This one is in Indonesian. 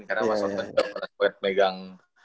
karena mas toto juga pernah megang